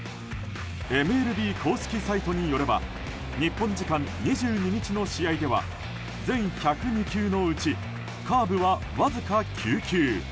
ＭＬＢ公式サイトによれば日本時間２２日の試合では全１０２球のうちカーブはわずか９球。